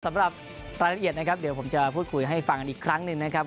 สำหรับรายละเอียดนะครับเดี๋ยวผมจะพูดคุยให้ฟังอีกครั้งหนึ่งนะครับ